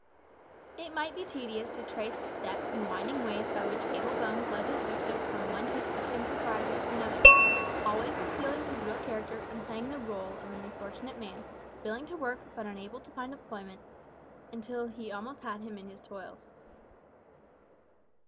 It might be tedious to trace the steps and winding ways by which Abel Bones led his victim from one piece of impropriety to another always concealing his real character, and playing the role of an unfortunate man, willing to work, but unable to find employment until he almost had him in his toils.